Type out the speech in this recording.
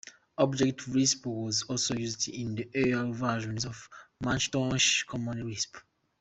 Object Lisp was also used in early versions of Macintosh Common Lisp.